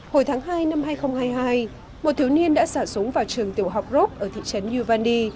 hồi tháng hai năm hai nghìn hai mươi hai một thiếu niên đã xả súng vào trường tiểu học rope ở thị trấn yuvandi